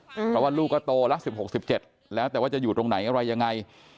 เพราะว่าลูกก็โตละ๑๖๑๗แล้วแต่ว่าจะอยู่ตรงไหนอะไรยังไง